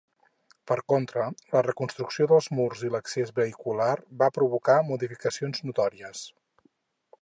Per contra, la reconstrucció dels murs i l'accés vehicular va provocar modificacions notòries.